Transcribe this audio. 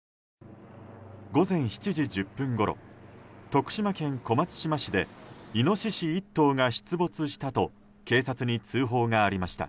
午前７時１０分ごろ徳島県小松島市でイノシシ１頭が出没したと警察に通報がありました。